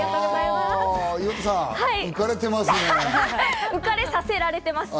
岩田さん、浮かれてますね？